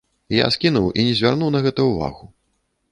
Я скінуў і не звярнуў на гэта ўвагу.